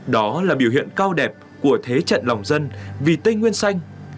đó là biểu hiện cao đẹp của thế trận lòng dân vì tây nguyên xanh